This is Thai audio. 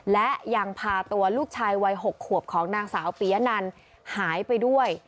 และยังพาตัวลูกชายวัย๖ขวบของนางสาวปียะนันหายไปด้วย